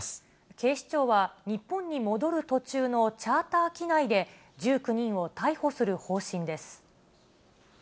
警視庁は、日本に戻る途中のチャーター機内で、１９人を逮捕する方針です。